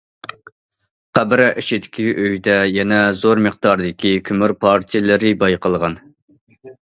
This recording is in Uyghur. قەبرە ئىچىدىكى ئۆيدە يەنە زور مىقداردىكى كۆمۈر پارچىلىرى بايقالغان.